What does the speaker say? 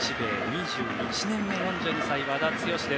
２１年目、４２歳の和田毅。